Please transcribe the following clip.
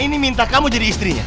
ini minta kamu jadi istrinya